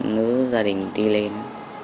nữ gia đình đi lên